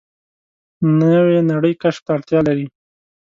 نوې نړۍ کشف ته اړتیا لري